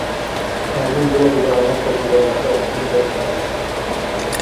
Album bylo vydáno pod vydavatelstvím Geffen.